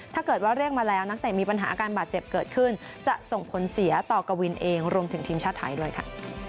ถ้าเกิดว่าเรียกมาแล้วนักเตะมีปัญหาอาการบาดเจ็บเกิดขึ้นจะส่งผลเสียต่อกวินเองรวมถึงทีมชาติไทยด้วยค่ะ